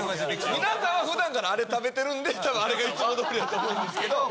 皆さんはふだんからあれ食べてるんで、あれがいつもどおりだと思うんですけど。